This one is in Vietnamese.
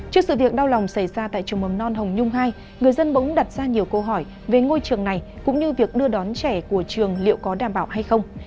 trước sự việc đau lòng xảy ra tại trường mầm non hồng nhung hai người dân bỗng đặt ra nhiều câu hỏi về ngôi trường này cũng như việc đưa đón trẻ của trường liệu có đảm bảo hay không